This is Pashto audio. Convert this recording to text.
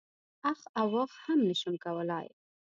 اخ او واخ هم نه شم کولای.